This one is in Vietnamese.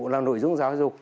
là nội dung giáo dục